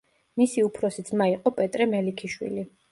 მისი უფროსი ძმა იყო პეტრე მელიქიშვილი.